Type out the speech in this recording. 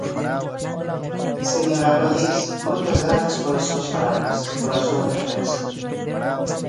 Señora Rodís, moitas grazas polas súas palabras, pola súa defensa.